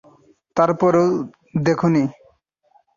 তার পরেও দেখোনি?